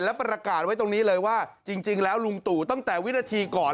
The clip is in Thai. และประกาศไว้ตรงนี้เลยว่าจริงแล้วลุงตู่ตั้งแต่วินาทีก่อน